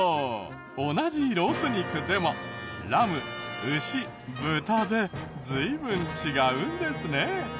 同じロース肉でもラム牛豚で随分違うんですね。